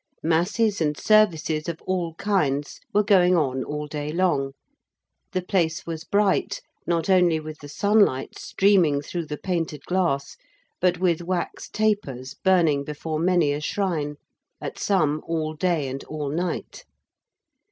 Masses and services of all kinds were going on all day long: the place was bright, not only with the sunlight streaming through the painted glass, but with wax tapers burning before many a shrine at some, all day and all night.